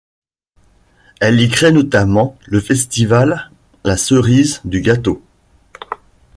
Elle y crée, notamment, le festival La cerise du Gâteau.